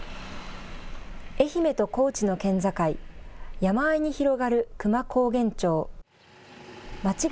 愛媛と高知の県境、山あいに広がる久万高原町。